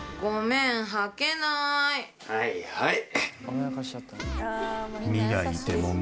はいはい。